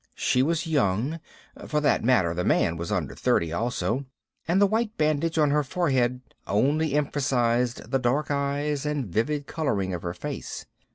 She was young; for that matter, the man was under thirty, also. And the white bandage on her forehead only emphasized the dark eyes and vivid coloring of her face.